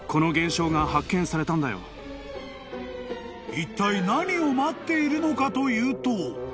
［いったい何を待っているのかというと］